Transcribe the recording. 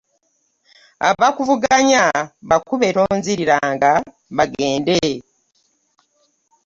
Abakuvuganya bakube tonziriranga bagende.